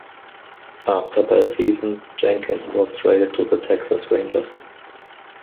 After that season, Jenkins was traded to the Texas Rangers.